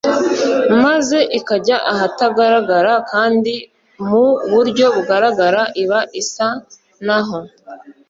maze ikajya ahatagaragara, kandi mu buryo bugaragara iba isa naho